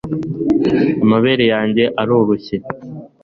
amabere yanjye aroroshye